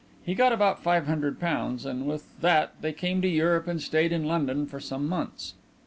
He got about five hundred pounds, and with that they came to Europe and stayed in London for some months.